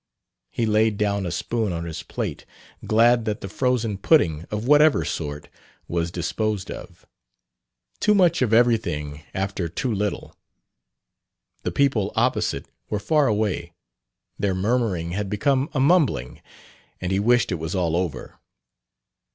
He laid down a spoon on his plate, glad that the frozen pudding of whatever sort was disposed of. Too much of everything after too little. The people opposite were far away; their murmuring had become a mumbling, and he wished it was all over.